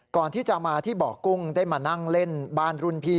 ก่อนที่จะมาที่บ่อกุ้งได้มานั่งเล่นบ้านรุ่นพี่